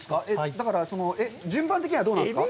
だから、順番的にはどうなんですか。